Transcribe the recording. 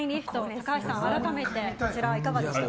高橋さん、改めてこちら、いかがでしたか？